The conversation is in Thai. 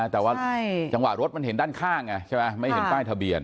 แต่ว่าจังหวะรถมันเห็นด้านข้างไงใช่ไหมไม่เห็นป้ายทะเบียน